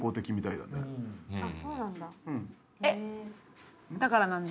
ああそうなんだ。